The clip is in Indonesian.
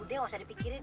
udah gak usah dipikirin